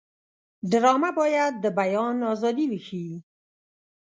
ډرامه باید د بیان ازادي وښيي